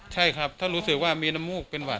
ใช่ครับถ้ารู้สึกว่ามีน้ำมูกเป็นหวัด